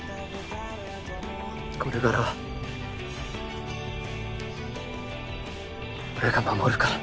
これからは俺が守るから。